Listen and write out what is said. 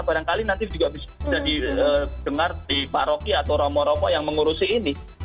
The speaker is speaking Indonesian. barangkali nanti juga bisa didengar di paroki atau romo romo yang mengurusi ini